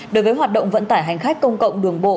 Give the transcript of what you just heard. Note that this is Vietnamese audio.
đối với hoạt động vận tải hành khách công cộng đường bộ